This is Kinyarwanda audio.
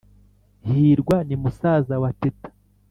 hirwa ni musaza wa teta